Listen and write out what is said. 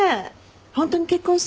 ホントに結婚するの？